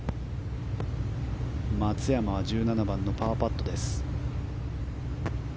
松山は１７番のパーパット。